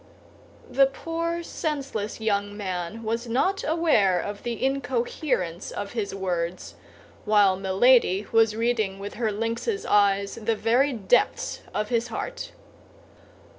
The poor, senseless young man was not aware of the incoherence of his words, while Milady was reading with her lynx's eyes the very depths of his heart.